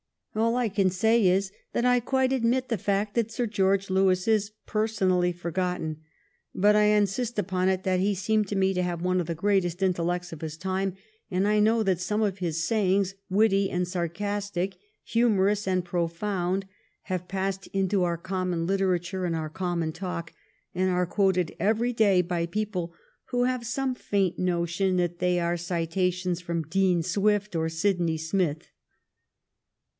" All I can say is that I quite admit the fact that Sir George Lewis is personally forgotten, but I insist upon it that he seemed to me to have one of the greatest intellects of his time, and I know that some of his sayings, witty and sarcas tic, humorous and profound, have passed into our common literature and our common talk, and are quoted every day by people who have some faint notion that they are citations from Dean Swift or Sydney Smith.